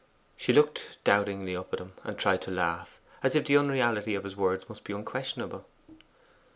She looked doubtingly up at him, and tried to laugh, as if the unreality of his words must be unquestionable.